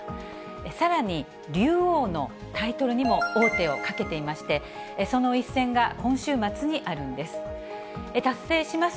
さらに、竜王のタイトルにも王手をかけていまして、その一戦が今週末にあるんです。